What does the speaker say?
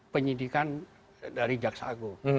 penyelidikan dari jaksa agung